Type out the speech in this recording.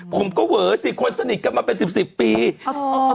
ผมก็เหวรถสี่คนสนิทกับมาเป็นสิบสิบปีอึออ